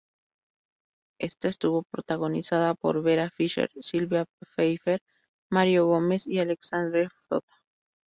Esta estuvo protagonizada por Vera Fischer, Sílvia Pfeifer, Mário Gomes y Alexandre Frota.